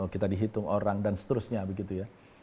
kita dihitung orang dan seterusnya begitu ya